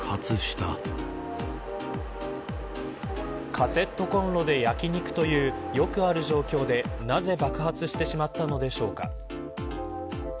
カセットこんろで焼き肉というよくある状況で、なぜ爆発してしまったのでしょうか。